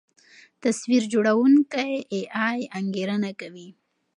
تصویر جوړوونکی اې ای انګېرنه کوي.